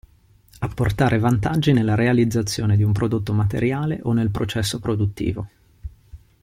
Apportare vantaggi nella realizzazione di un prodotto materiale o nel processo produttivo.